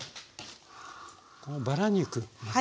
このバラ肉がね